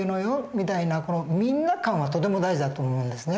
みたいなみんな感はとても大事だと思うんですね。